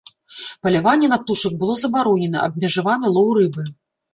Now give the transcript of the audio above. Паляванне на птушак было забаронена, абмежаваны лоў рыбы.